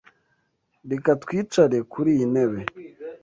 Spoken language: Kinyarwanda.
Reka twicare kuriyi ntebe.